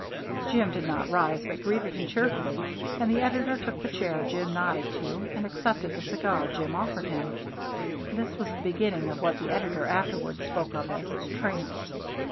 Jim did not rise but greeted him cheerfully, and the editor took the chair Jim nodded to and accepted the cigar Jim offered him. This was the beginning of what the editor afterward spoke of as his trance.